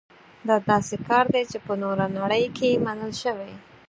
دا داسې کار دی چې په نوره نړۍ کې منل شوی.